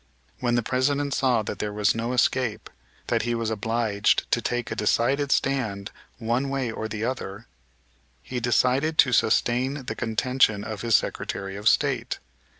When the President saw that there was no escape, that he was obliged to take a decided stand one way or the other, he decided to sustain the contention of his Secretary of State.